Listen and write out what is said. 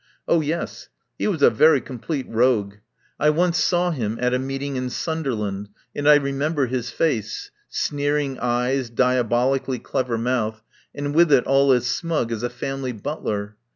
Oh, yes, he was a very complete rogue. I once saw him at ■ meeting in Sunderland, and I re member his face — sneering eyes, diabolically clever mouth, and with it all as smug as a family butler.